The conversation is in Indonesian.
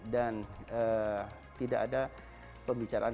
dan tidak ada pembicaraan